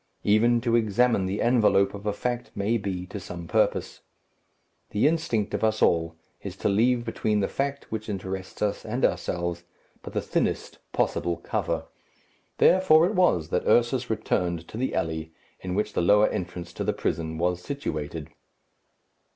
Even to examine the envelope of a fact may be to some purpose. The instinct of us all is to leave between the fact which interests us and ourselves but the thinnest possible cover. Therefore it was that Ursus returned to the alley in which the lower entrance to the prison was situated.